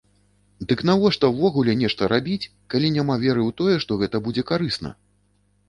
Дык навошта ўвогуле нешта рабіць, калі няма веры ў тое, што гэта будзе карысна?